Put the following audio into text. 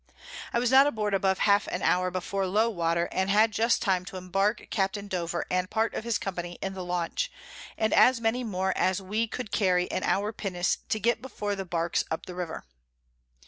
I was not aboard above half an hour before low Water, and had just time to imbark Capt. Dover and part of his Company in the Launch, and as many more as we could carry in our Pinnace to get before the Barks up the River.